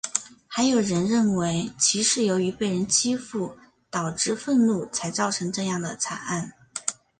还有人认为其是由于被人欺负导致愤怒才造成这样的惨案。